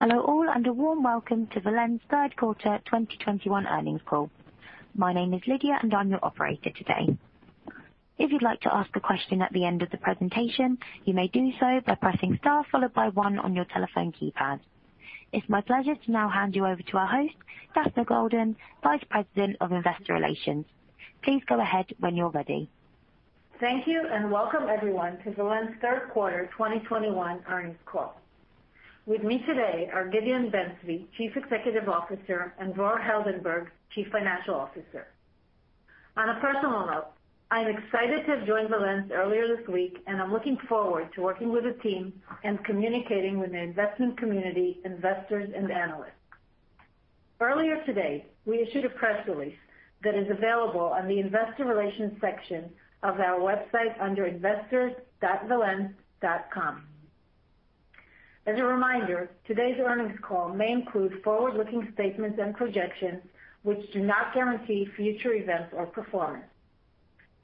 Hello all, and a warm welcome to Valens third quarter 2021 earnings call. My name is Lydia and I'm your operator today. If you'd like to ask a question at the end of the presentation, you may do so by pressing Star followed by one on your telephone keypad. It's my pleasure to now hand you over to our host, Daphna Golden, Vice President of Investor Relations. Please go ahead when you're ready. Thank you and welcome everyone to Valens third quarter 2021 earnings call. With me today are Gideon Ben-Zvi, Chief Executive Officer, and Dror Heldenberg, Chief Financial Officer. On a personal note, I'm excited to have joined Valens earlier this week, and I'm looking forward to working with the team and communicating with the investment community, investors and analysts. Earlier today, we issued a press release that is available on the investor relations section of our website under investor.valens.com. As a reminder, today's earnings call may include forward-looking statements and projections which do not guarantee future events or performance.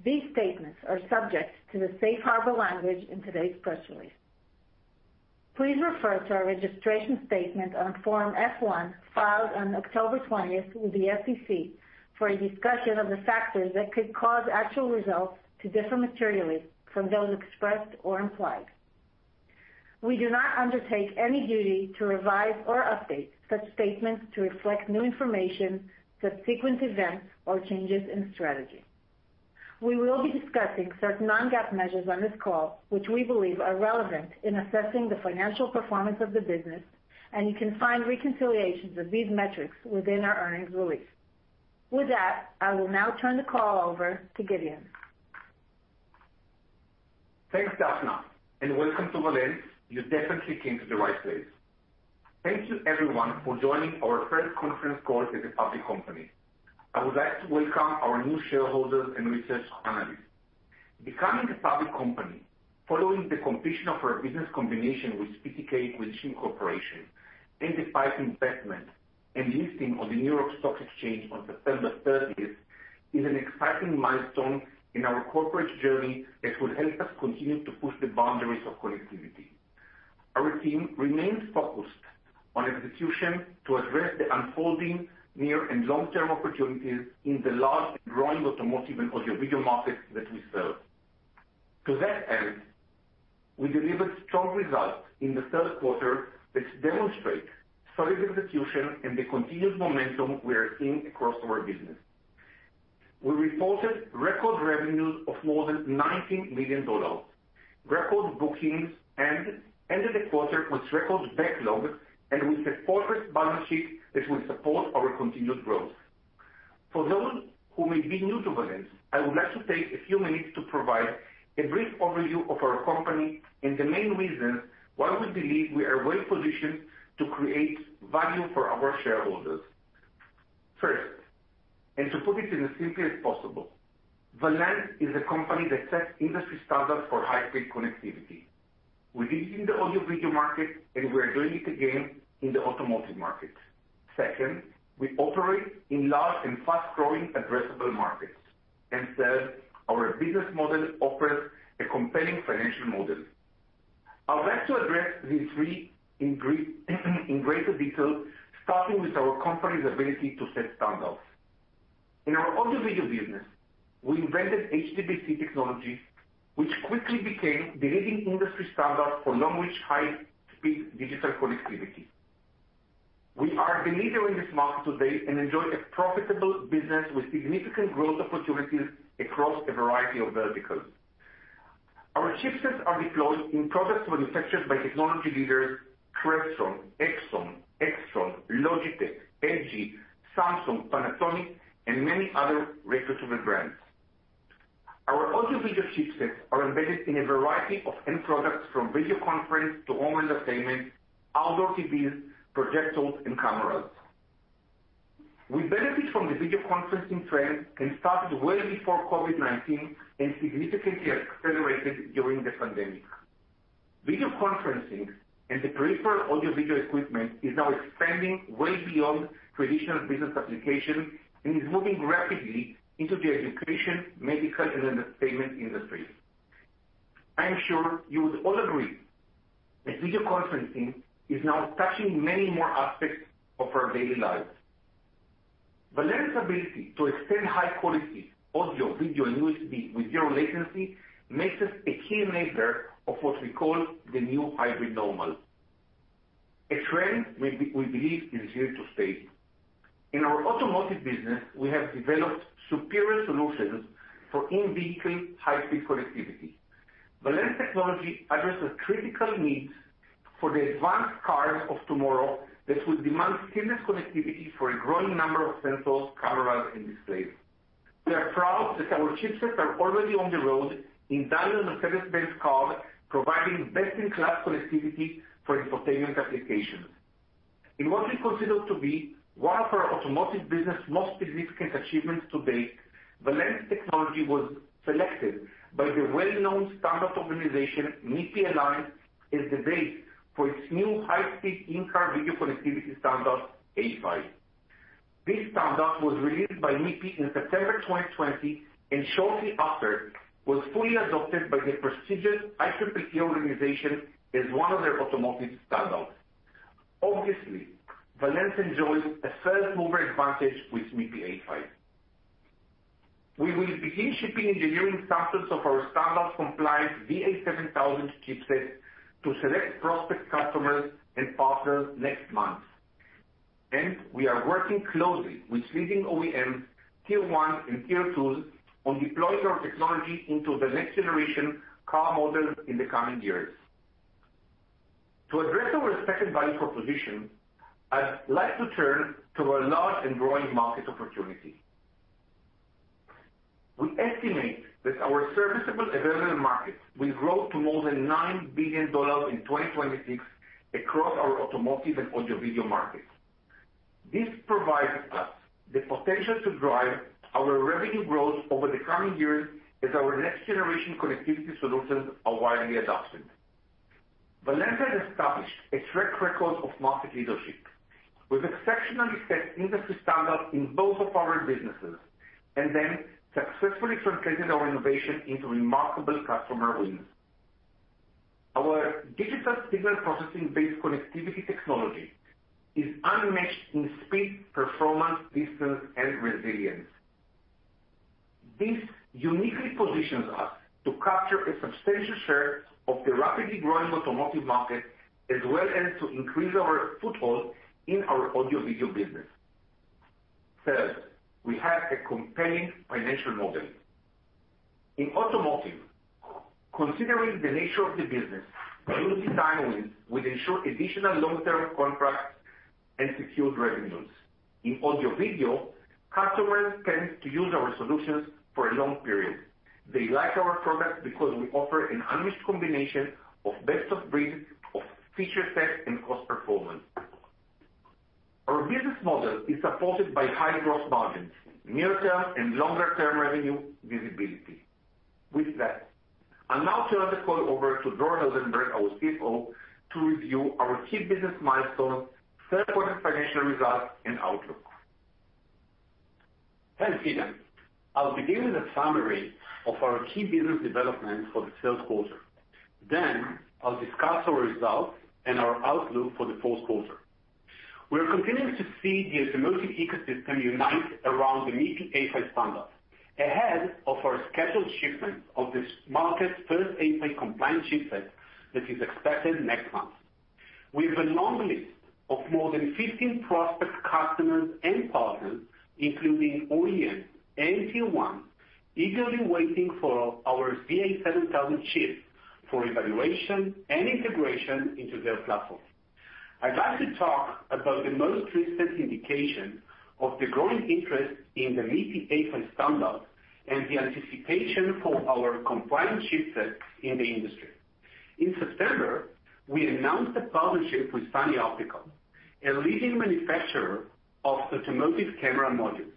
These statements are subject to the safe harbor language in today's press release. Please refer to our registration statement on Form F-1 filed on October 20 with the SEC for a discussion of the factors that could cause actual results to differ materially from those expressed or implied. We do not undertake any duty to revise or update such statements to reflect new information, subsequent events, or changes in strategy. We will be discussing certain non-GAAP measures on this call, which we believe are relevant in assessing the financial performance of the business, and you can find reconciliations of these metrics within our earnings release. With that, I will now turn the call over to Gideon. Thanks, Daphna, and welcome to Valens. You definitely came to the right place. Thank you everyone for joining our first conference call as a public company. I would like to welcome our new shareholders and research analysts. Becoming a public company following the completion of our business combination with PTK Acquisition Corp. and listing on the New York Stock Exchange on September thirtieth is an exciting milestone in our corporate journey that will help us continue to push the boundaries of connectivity. Our team remains focused on execution to address the unfolding near and long-term opportunities in the large growing automotive and audio video markets that we serve. To that end, we delivered strong results in the third quarter which demonstrate solid execution and the continued momentum we are seeing across our business. We reported record revenues of more than $19 million, record bookings, and ended the quarter with record backlog and with a fortress balance sheet that will support our continued growth. For those who may be new to Valens, I would like to take a few minutes to provide a brief overview of our company and the main reasons why we believe we are well positioned to create value for our shareholders. First, to put it as simply as possible, Valens is a company that sets industry standards for high-speed connectivity. We did it in the audio video market, and we are doing it again in the automotive market. Second, we operate in large and fast-growing addressable markets. Third, our business model offers a compelling financial model. I would like to address these three in greater detail, starting with our company's ability to set standards. In our audio video business, we invented HDBaseT technology, which quickly became the leading industry standard for long-reach, high speed digital connectivity. We are the leader in this market today and enjoy a profitable business with significant growth opportunities across a variety of verticals. Our chipsets are deployed in products manufactured by technology leaders Crestron, Extron, Logitech, LG, Samsung, Panasonic, and many other consumer brands. Our audio video chipsets are embedded in a variety of end products, from video conference to home entertainment, outdoor TVs, projectors and cameras. We benefit from the video conferencing trend and started well before COVID-19 and significantly accelerated during the pandemic. Video conferencing and the peripheral audio video equipment is now expanding way beyond traditional business applications and is moving rapidly into the education, medical and entertainment industries. I am sure you would all agree that video conferencing is now touching many more aspects of our daily lives. Valens' ability to extend high quality audio, video and USB with zero latency makes us a key enabler of what we call the new hybrid normal, a trend we believe is here to stay. In our automotive business, we have developed superior solutions for in-vehicle high-speed connectivity. Valens technology addresses critical needs for the advanced cars of tomorrow that will demand seamless connectivity for a growing number of sensors, cameras and displays. We are proud that our chipsets are already on the road in millions of Mercedes-Benz cars, providing best-in-class connectivity for infotainment applications. In what we consider to be one of our automotive business most significant achievements to date, Valens technology was selected by the well-known standard organization, MIPI Alliance, as the base for its new high-speed in-car video connectivity standard, A-PHY. This standard was released by MIPI in September 2020, and shortly after, was fully adopted by the prestigious IEEE organization as one of their automotive standards. Obviously, Valens enjoys a first-mover advantage with MIPI A-PHY. We will begin shipping engineering samples of our standard compliance VA7000 chipset to select prospective customers and partners next month. We are working closely with leading OEMs, tier ones and tier twos on deploying our technology into the next generation car models in the coming years. To address our respective value proposition, I'd like to turn to our large and growing market opportunity. We estimate that our serviceable available markets will grow to more than $9 billion in 2026 across our automotive and audio-video markets. This provides us the potential to drive our revenue growth over the coming years as our next generation connectivity solutions are widely adopted. Valens has established a track record of market leadership. We've exceptionally set industry standard in both of our businesses and then successfully translated our innovation into remarkable customer wins. Our digital signal processing-based connectivity technology is unmatched in speed, performance, distance, and resilience. This uniquely positions us to capture a substantial share of the rapidly growing automotive market, as well as to increase our foothold in our audio video business. Third, we have a compelling financial model. In automotive, considering the nature of the business, long design wins will ensure additional long-term contracts and secured revenues. In audio video, customers tend to use our solutions for a long period. They like our products because we offer an unmatched combination of best of breed of feature set and cost performance. Our business model is supported by high gross margins, near-term and longer-term revenue visibility. With that, I'll now turn the call over to Dror Heldenberg, our CFO, to review our key business milestones, third quarter financial results, and outlook. Thanks, Gideon Ben-Zvi. I'll begin with a summary of our key business developments for the third quarter. Then I'll discuss our results and our outlook for the fourth quarter. We are continuing to see the automotive ecosystem unite around the MIPI A-PHY standard ahead of our scheduled shipment of this market's first A-PHY compliant chipset that is expected next month, we have a long list of more than 15 prospective customers and partners, including OEMs and Tier 1s, eagerly waiting for our VA7000 chip for evaluation and integration into their platform. I'd like to talk about the most recent indication of the growing interest in the MIPI A-PHY standard and the anticipation for our compliant chipset in the industry. In September, we announced a partnership with Sunny Optical, a leading manufacturer of automotive camera modules.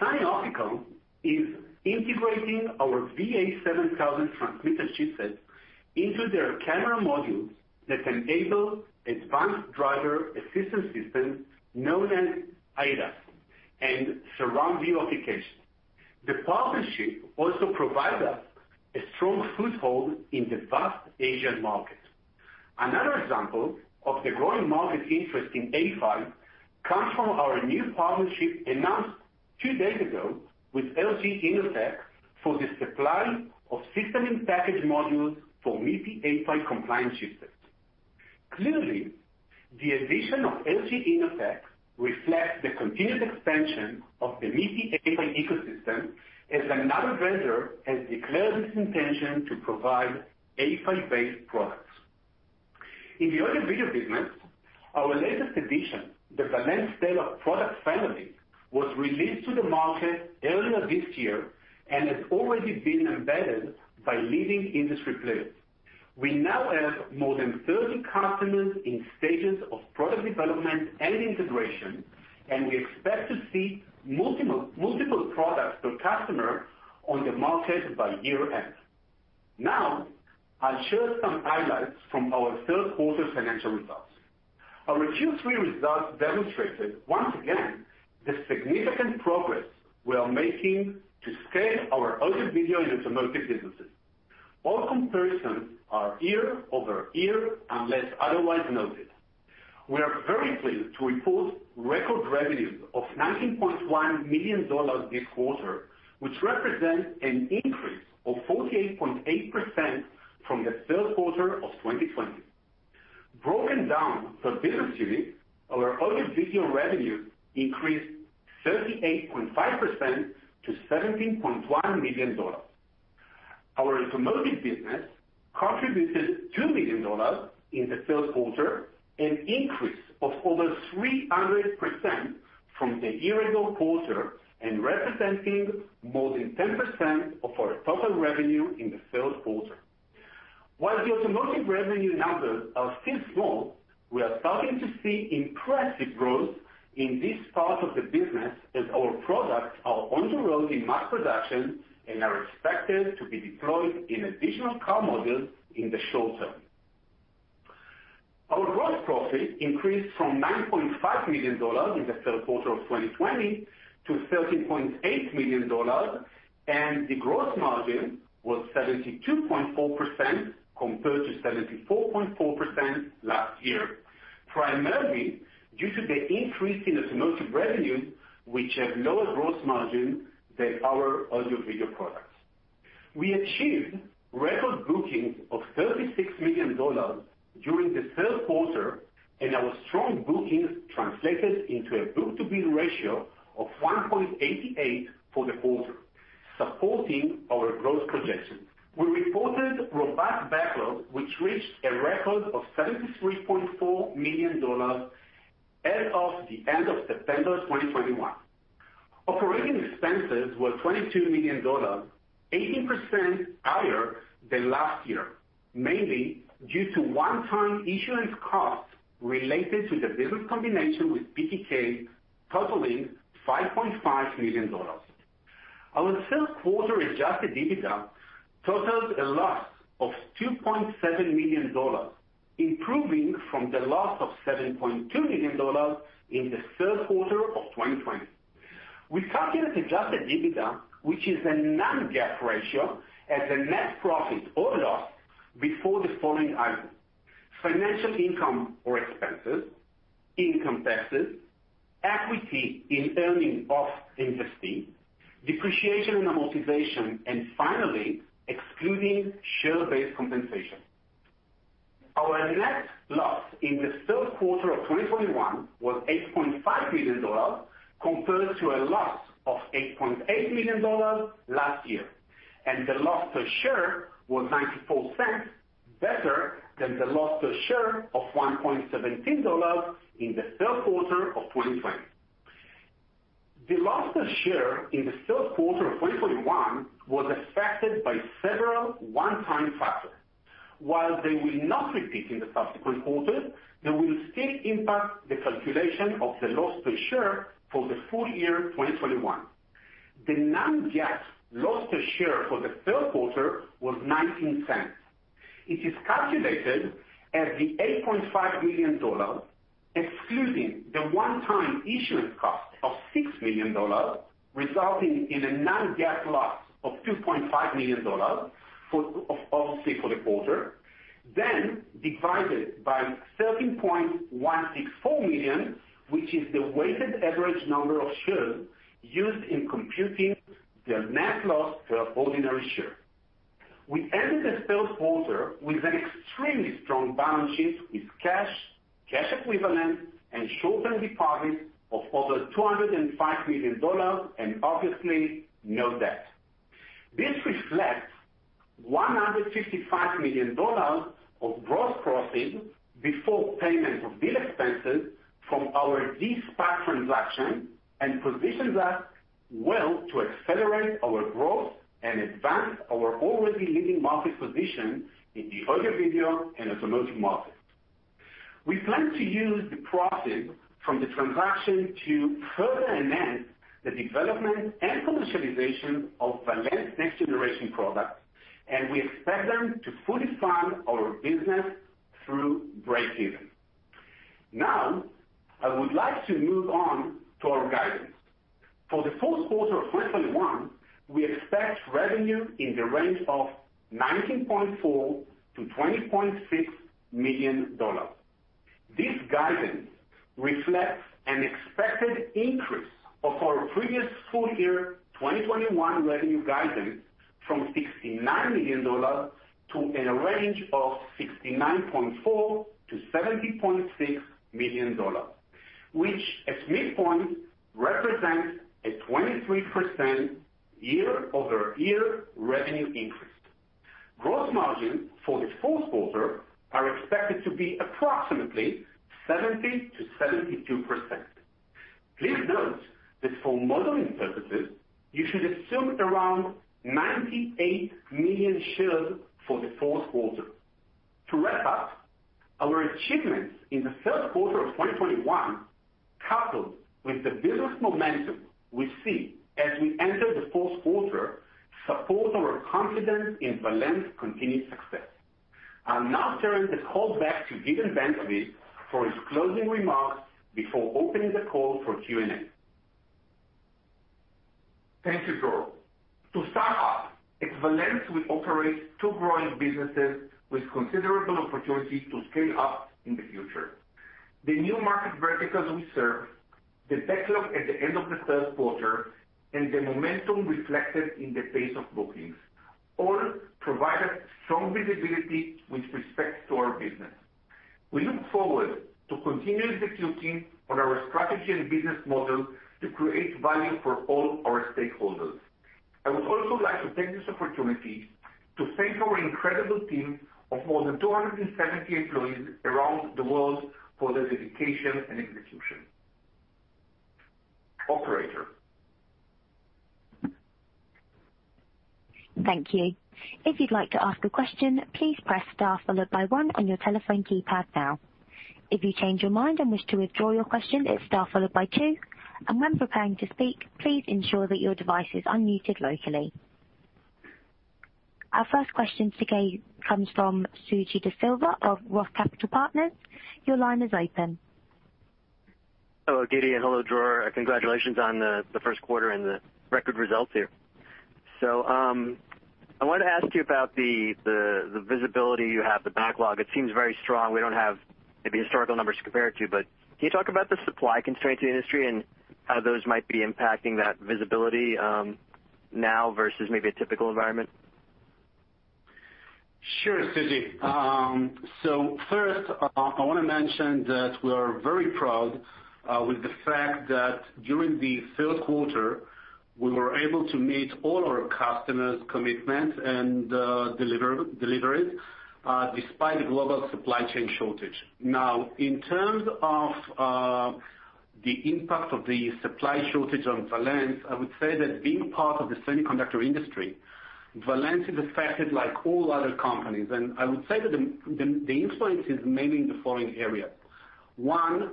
Sunny Optical is integrating our VA7000 transmitter chipset into their camera modules that enable advanced driver assistance systems known as ADAS, and surround view applications. The partnership also provide us a strong foothold in the vast Asian market. Another example of the growing market interest in A-PHY comes from our new partnership announced two days ago with LG Innotek for the supply of system-in-package modules for MIPI A-PHY compliant chipsets. Clearly, the addition of LG Innotek reflects the continued expansion of the MIPI A-PHY ecosystem, as another vendor has declared its intention to provide A-PHY-based products. In the audio video business, our latest addition, the Valens Scale Up product family, was released to the market earlier this year and has already been embedded by leading industry players. We now have more than 30 customers in stages of product development and integration, and we expect to see multiple products per customer on the market by year-end. Now, I'll share some highlights from our third quarter financial results. Our Q3 results demonstrated once again the significant progress we are making to scale our audio video and automotive businesses. All comparisons are year-over-year, unless otherwise noted. We are very pleased to report record revenues of $19.1 million this quarter, which represents an increase of 48.8% from the third quarter of 2020. Broken down for business units, our audio video revenue increased 38.5% to $17.1 million. Our automotive business contributed $2 million in the third quarter, an increase of over 300% from the year-ago quarter and representing more than 10% of our total revenue in the third quarter. While the automotive revenue numbers are still small, we are starting to see impressive growth in this part of the business as our products are on the road in mass production and are expected to be deployed in additional car models in the short term. Our gross profit increased from $9.5 million in the third quarter of 2020 to $13.8 million, and the gross margin was 72.4% compared to 74.4% last year, primarily due to the increase in automotive revenue, which have lower gross margin than our audio video products. We achieved record bookings of $36 million during the third quarter, and our strong bookings translated into a book-to-bill ratio of 1.88 for the quarter, supporting our growth projections. We reported robust backlog, which reached a record of $73.4 million as of the end of September 2021. Operating expenses were $22 million, 18% higher than last year, mainly due to one-time issuance costs related to the business combination with PTK totaling $5.5 million. Our third quarter adjusted EBITDA totaled a loss of $2.7 million, improving from the loss of $7.2 million in the third quarter of 2020. We calculate adjusted EBITDA, which is a non-GAAP measure as net profit or loss before the following items, financial income or expenses, income taxes, equity in earnings of investees, depreciation and amortization, and finally, excluding share-based compensation. Our net loss in the third quarter of 2021 was $8.5 million, compared to a loss of $8.8 million last year, and the loss per share was $0.94, better than the loss per share of $1.17 in the third quarter of 2020. The loss per share in the third quarter of 2021 was affected by several one-time factors. While they will not repeat in the subsequent quarters, they will still impact the calculation of the loss per share for the full year 2021. The non-GAAP loss per share for the third quarter was $0.19. It is calculated as the $8.5 million, excluding the one-time issuance cost of $6 million, resulting in a non-GAAP loss of $2.5 million for the quarter, then divided by 13.164 million, which is the weighted average number of shares used in computing the net loss per ordinary share. We ended the third quarter with an extremely strong balance sheet with cash equivalents and short-term deposits of over $205 million and obviously no debt. This reflects $155 million of gross proceeds before payment of deal expenses from our SPAC transaction and positions us well to accelerate our growth and advance our already leading market position in the audio video and automotive markets. We plan to use the proceeds from the transaction to further enhance the development and commercialization of Valens' next-generation products, and we expect them to fully fund our business through break-even. Now, I would like to move on to our guidance. For the fourth quarter of 2021, we expect revenue in the range of $19.4 million-$20.6 million. This guidance reflects an expected increase of our previous full year 2021 revenue guidance from $69 million to a range of $69.4 million-$70.6 million, which at midpoint represents a 23% year-over-year revenue increase. Gross margin for the fourth quarter are expected to be approximately 70%-72%. Please note that for modeling purposes, you should assume around 98 million shares for the fourth quarter. To wrap up, our achievements in the third quarter of 2021, coupled with the business momentum we see as we enter the fourth quarter, support our confidence in Valens' continued success. I'll now turn the call back to Gideon Ben-Zvi for his closing remarks before opening the call for Q&A. Thank you, Dror. To start off, at Valens, we operate two growing businesses with considerable opportunity to scale up in the future. The new market verticals we serve, the backlog at the end of the third quarter, and the momentum reflected in the pace of bookings, all provide us strong visibility with respect to our business. We look forward to continuing executing on our strategy and business model to create value for all our stakeholders. I would also like to take this opportunity to thank our incredible team of more than 270 employees around the world for their dedication and execution. Operator? Thank you. Our first question today comes from Suji Desilva of Roth Capital Partners. Your line is open. Hello, Gideon, and hello, Dror. Congratulations on the first quarter and the record results here. I wanted to ask you about the visibility you have, the backlog. It seems very strong. We don't have maybe historical numbers to compare it to, but can you talk about the supply constraints in the industry and how those might be impacting that visibility, now versus maybe a typical environment? Sure, Suji. So first, I wanna mention that we are very proud with the fact that during the third quarter, we were able to meet all our customers' commitments and deliveries, despite the global supply chain shortage. Now, in terms of the impact of the supply shortage on Valens, I would say that being part of the semiconductor industry, Valens is affected like all other companies. I would say that the influence is mainly in the following area. One,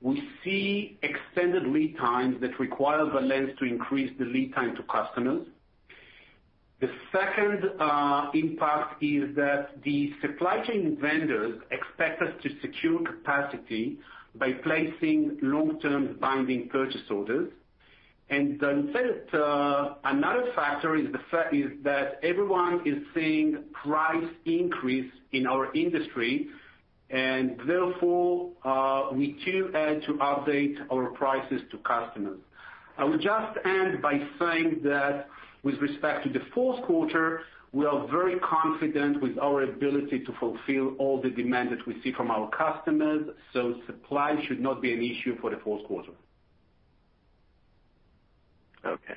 we see extended lead times that require Valens to increase the lead time to customers. The second, impact is that the supply chain vendors expect us to secure capacity by placing long-term binding purchase orders. Third, another factor is that everyone is seeing price increases in our industry, and therefore, we too had to update our prices to customers. I would just end by saying that with respect to the fourth quarter, we are very confident with our ability to fulfill all the demand that we see from our customers, so supply should not be an issue for the fourth quarter. Okay.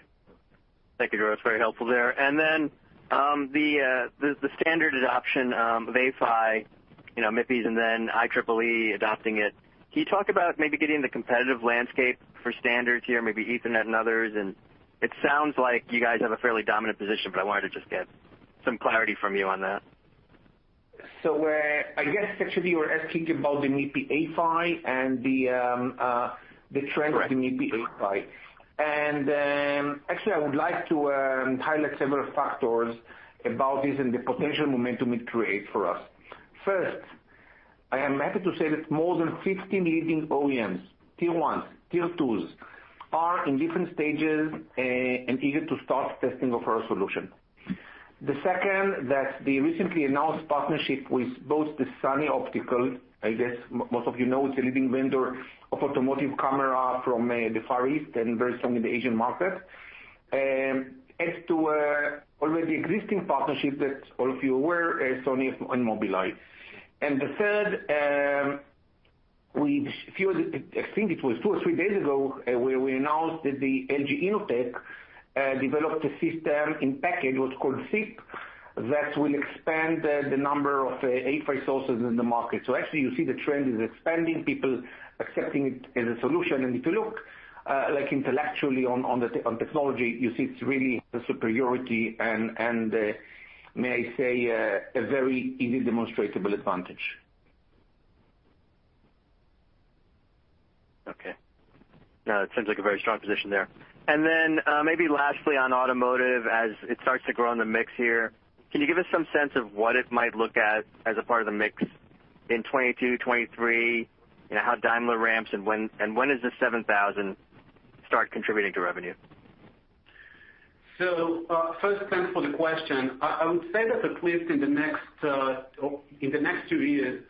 Thank you, Dror. It's very helpful there. Then the standard adoption of A-PHY, you know, MIPIs and then IEEE adopting it. Can you talk about maybe getting the competitive landscape for standards here, maybe Ethernet and others? It sounds like you guys have a fairly dominant position, but I wanted to just get some clarity from you on that. I guess actually you were asking about the MIPI A-PHY and the trends. Correct. with the MIPI A-PHY. Actually, I would like to highlight several factors about this and the potential momentum it creates for us. First, I am happy to say that more than 50 leading OEMs, Tier 1s, Tier 2s, are in different stages and eager to start testing of our solution. The second, that the recently announced partnership with both the Sunny Optical, I guess most of you know, it's a leading vendor of automotive camera from the Far East and very strong in the Asian market, adds to already existing partnerships that all of you are aware, Sony and Mobileye. The third, a few, I think it was two or three days ago, where we announced that the LG Innotek developed a system in package, what's called SiP, that will expand the number of A-PHY sources in the market. Actually, you see the trend is expanding, people accepting it as a solution. If you look like intellectually on the technology, you see it's really the superiority and may I say a very easy demonstrable advantage. Okay. No, it seems like a very strong position there. Maybe lastly on automotive, as it starts to grow in the mix here, can you give us some sense of what it might look like as a part of the mix in 2022, 2023? You know, how Daimler ramps, and when, and when does the VA7000 start contributing to revenue? First, thanks for the question. I would say that at least in the next 2 years,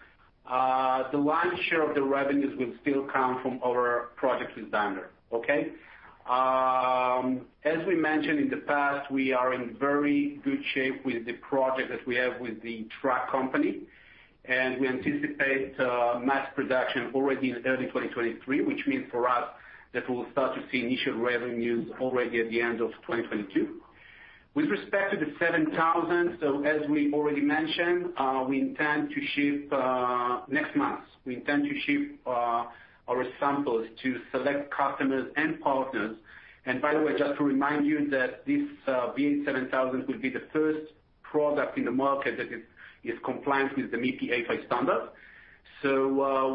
the lion's share of the revenues will still come from our project with Daimler, okay? As we mentioned in the past, we are in very good shape with the project that we have with the truck company, and we anticipate mass production already in early 2023, which means for us that we'll start to see initial revenues already at the end of 2022. With respect to the VA7000, as we already mentioned, we intend to ship our samples to select customers and partners. By the way, just to remind you that this VA7000 will be the first product in the market that is compliant with the MIPI A-PHY standard.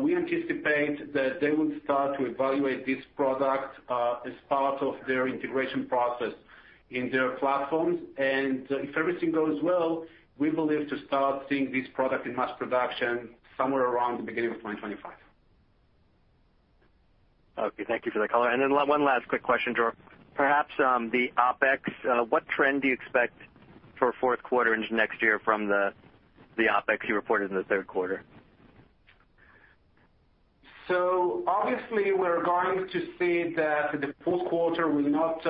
We anticipate that they will start to evaluate this product as part of their integration process in their platforms. If everything goes well, we believe to start seeing this product in mass production somewhere around the beginning of 2025. Okay, thank you for that color. One last quick question, Dror. Perhaps, the OpEx, what trend do you expect for fourth quarter into next year from the OpEx you reported in the third quarter? Obviously, we're going to see that the fourth quarter will not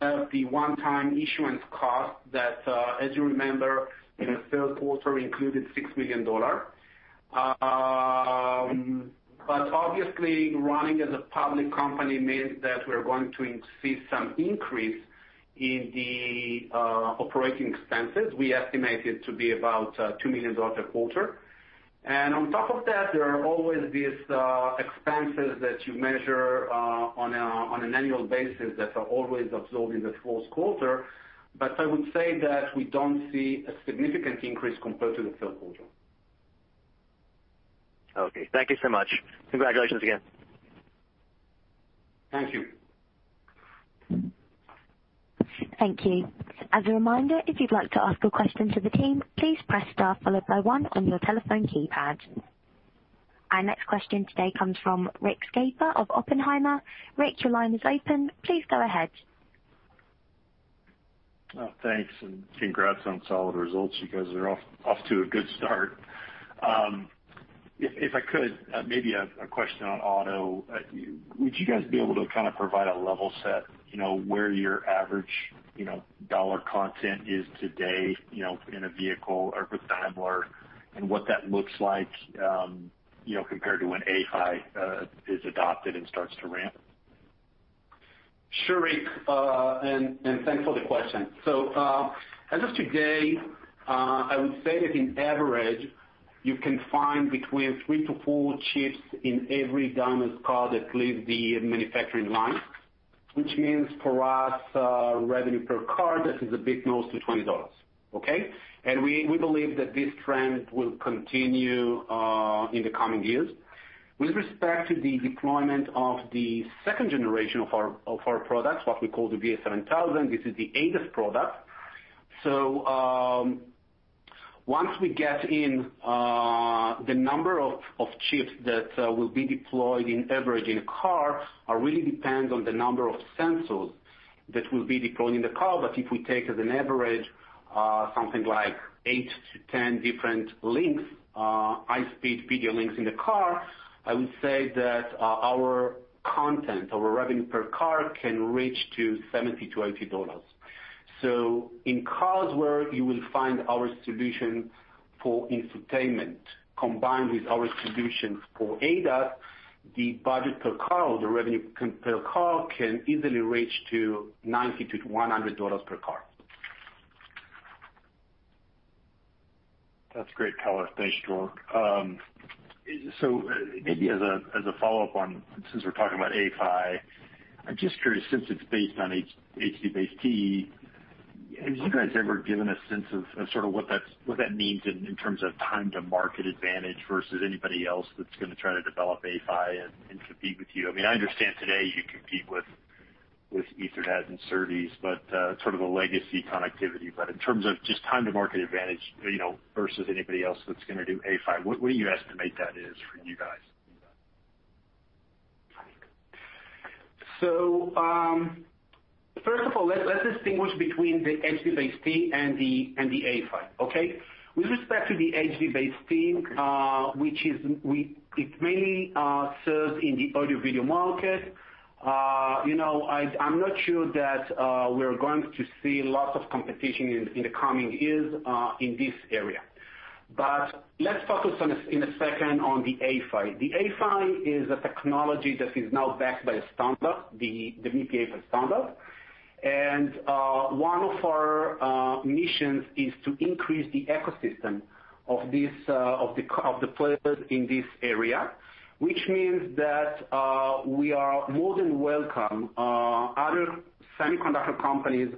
have the one-time issuance cost that, as you remember, in the third quarter included $6 million. Obviously, running as a public company means that we're going to see some increase in the operating expenses. We estimate it to be about $2 million a quarter. On top of that, there are always these expenses that you measure on an annual basis that are always absorbed in the fourth quarter. I would say that we don't see a significant increase compared to the third quarter. Okay. Thank you so much. Congratulations again. Thank you. Thank you. As a reminder, if you'd like to ask a question to the team, please press star followed by one on your telephone keypad. Our next question today comes from Rick Schafer of Oppenheimer. Rick, your line is open. Please go ahead. Oh, thanks, and congrats on solid results. You guys are off to a good start. If I could, maybe a question on auto. Would you guys be able to kinda provide a level set, you know, where your average dollar content is today, you know, in a vehicle or with Daimler, and what that looks like, you know, compared to when A-PHY is adopted and starts to ramp? Sure, Rick, thanks for the question. As of today, I would say that on average, you can find between 3-4 chips in every Daimler's car that leave the manufacturing line, which means for us, revenue per car, this is a bit close to $20, okay? We believe that this trend will continue in the coming years. With respect to the deployment of the second generation of our products, what we call the VA7000, this is the ADAS product. Once we get in, the number of chips that will be deployed on average in a car really depends on the number of sensors that will be deployed in the car. If we take as an average, something like 8-10 different links, high speed video links in the car, I would say that our content, our revenue per car can reach $70-$80. In cars where you will find our solution for infotainment combined with our solutions for ADAS, the budget per car or the revenue per car can easily reach $90-$100 per car. That's great color. Thanks, Dror. Maybe as a follow-up on, since we're talking about A-PHY, I'm just curious since it's based on HDBaseT, have you guys ever given a sense of sorta what that means in terms of time to market advantage versus anybody else that's gonna try to develop A-PHY and compete with you? I mean, I understand today you compete with Ethernet and SerDes, but sort of a legacy connectivity. In terms of just time to market advantage, you know, versus anybody else that's gonna do A-PHY, what do you estimate that is for you guys? First of all, let's distinguish between the HDBaseT and the A-PHY, okay? With respect to the HDBaseT, which mainly serves in the audio/video market. You know, I'm not sure that we're going to see lots of competition in the coming years in this area. Let's focus in a second on the A-PHY. The A-PHY is a technology that is now backed by a standard, the MIPI A-PHY. One of our missions is to increase the ecosystem of the players in this area, which means that we are more than welcome other semiconductor companies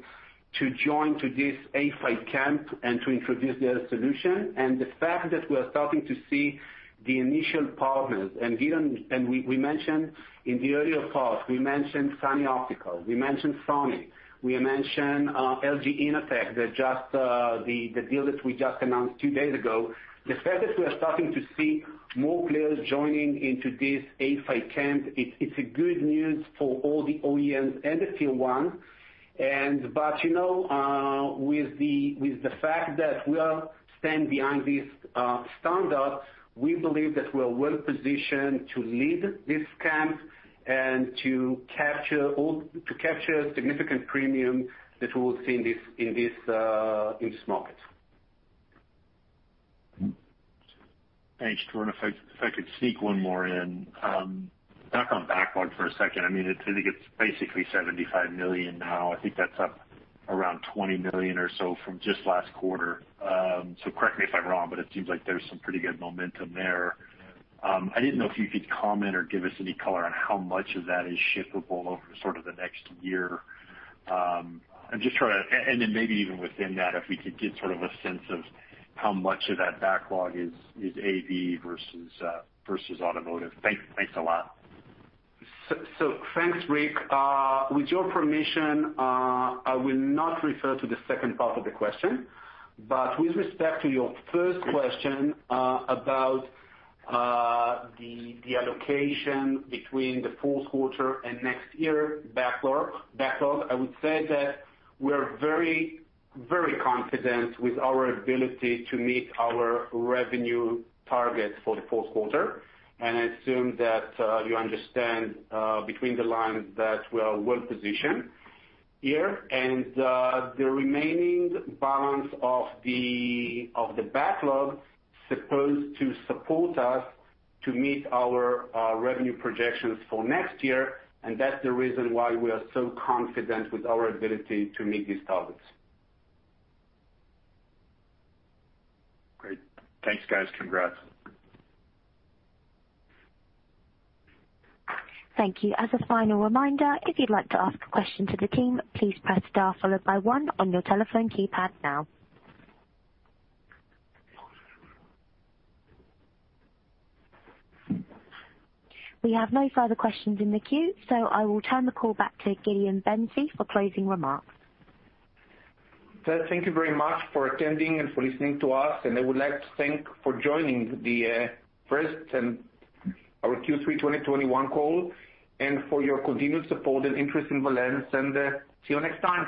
to join this A-PHY camp and to introduce their solution. The fact that we are starting to see the initial partners. We mentioned in the earlier part, we mentioned Sunny Optical, we mentioned Sony, we mentioned LG Innotek, that just the deal that we just announced two days ago. The fact that we are starting to see more players joining into this A-PHY camp, it's good news for all the OEMs and the Tier 1. But you know, with the fact that we stand behind this standard, we believe that we are well-positioned to lead this camp and to capture significant premium that we'll see in this market. Thanks, Dror. If I could sneak one more in. Back on backlog for a second. I mean, I think it's basically $75 million now. I think that's up around $20 million or so from just last quarter. So correct me if I'm wrong, but it seems like there's some pretty good momentum there. I didn't know if you could comment or give us any color on how much of that is shippable over sort of the next year. I'm just trying to and then maybe even within that, if we could get sort of a sense of how much of that backlog is AV versus automotive. Thanks a lot. Thanks, Rick. With your permission, I will not refer to the second part of the question. With respect to your first question, about the allocation between the fourth quarter and next year backlog, I would say that we're very, very confident with our ability to meet our revenue targets for the fourth quarter, and I assume that you understand between the lines that we are well-positioned here. The remaining balance of the backlog supposed to support us to meet our revenue projections for next year, and that's the reason why we are so confident with our ability to meet these targets. Great. Thanks, guys. Congrats. Thank you. As a final reminder, if you'd like to ask a question to the team, please press star followed by one on your telephone keypad now. We have no further questions in the queue, so I will turn the call back to Gideon Ben-Zvi for closing remarks. Thank you very much for attending and for listening to us. I would like to thank you for joining the first and our Q3 2021 call and for your continued support and interest in Valens. See you next time.